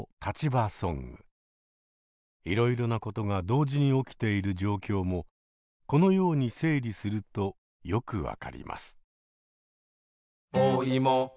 いろいろなことが同時に起きている状況もこのように整理するとよく分かります。